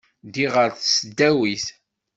Ddiɣ ɣer tesdawit.